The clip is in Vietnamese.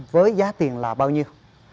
với giá tiền là bao nhiêu